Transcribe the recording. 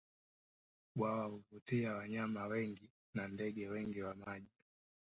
Bwawa huvutia wanyama wengi na ndege wengi wa maji